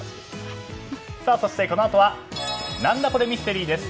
そして、このあとは「何だコレ！？ミステリー」です。